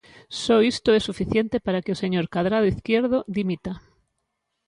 Só isto é suficiente para que o señor Cadrado Izquierdo dimita.